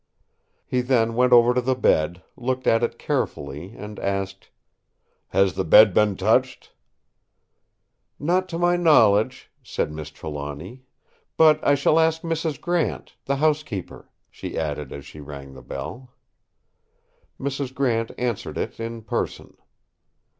He then went over to the bed, looked at it carefully, and asked: "Has the bed been touched?" "Not to my knowledge," said Miss Trelawny, "but I shall ask Mrs. Grant—the housekeeper," she added as she rang the bell. Mrs. Grant answered it in person.